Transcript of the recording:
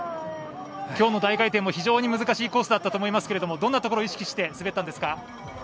きょうの大回転も非常に難しいコースだったと思いますけどどんなところを意識して滑ったんですか？